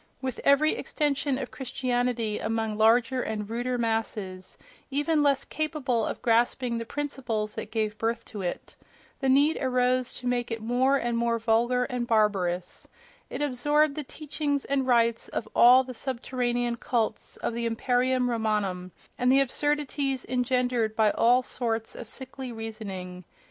With every extension of Christianity among larger and ruder masses, even less capable of grasping the principles that gave birth to it, the need arose to make it more and more vulgar and barbarous—it absorbed the teachings and rites of all the subterranean cults of the imperium Romanum, and the absurdities engendered by all sorts of sickly reasoning.